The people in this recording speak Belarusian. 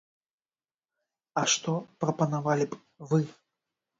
А што прапанавалі б вы?